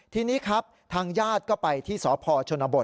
ทีนี้ครับทางญาติก็ไปที่สพชนบท